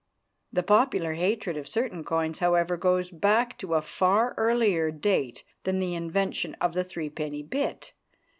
The popular hatred of certain coins, however, goes back to a far earlier date than the invention of the threepenny bit.